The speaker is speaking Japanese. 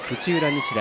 日大